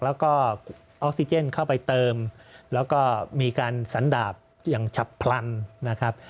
แล้วก็ออกซิเจนเข้าไปเติมแล้วก็มีการสันดาบอย่างฉับพลันนะครับ